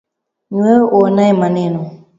Ni wewe uonaye maneno